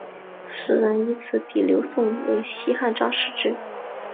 时人因此比刘颂为西汉张释之。